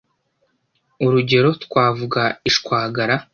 urugero twavuga ishwagara